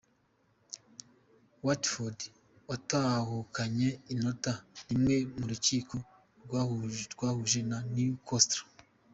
Watford watahukanye inota rimwe mu rukino rwabahuje na Newcastle.